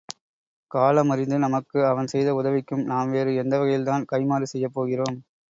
காலமறிந்து நமக்கு அவன் செய்த உதவிக்கும் நாம் வேறு எந்தவகையில்தான் கைம்மாறு செய்யப் போகிறோம்!